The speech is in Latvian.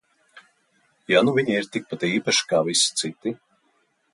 Ja nu viņa ir tikpat īpaša kā visi citi?